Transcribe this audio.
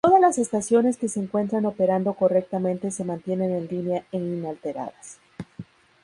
Todas las estaciones que se encuentran operando correctamente se mantienen en línea e inalteradas.